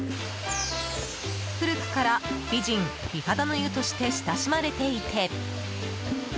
古くから美人・美肌の湯として親しまれていて。